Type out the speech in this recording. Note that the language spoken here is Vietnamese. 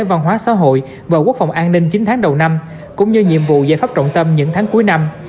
văn hóa xã hội và quốc phòng an ninh chín tháng đầu năm cũng như nhiệm vụ giải pháp trọng tâm những tháng cuối năm